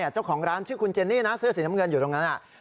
เจ้าของร้านชื่อคุณเจนนี่นะเสื้อสีน้ำเงินอยู่ตรงนั้น